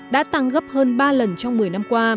đã tăng gấp hơn ba lần trong một mươi năm qua